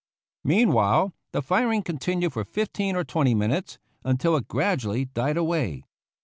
Meanwhile the firing continued for fifteen or twenty minutes, until it gradually died away.